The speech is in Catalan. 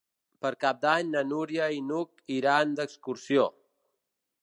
Per Cap d'Any na Núria i n'Hug iran d'excursió.